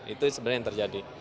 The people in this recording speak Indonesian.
itu sebenarnya yang terjadi